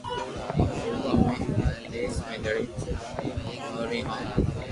روگو امي ڊپس ۾ لڙين ئوري ھون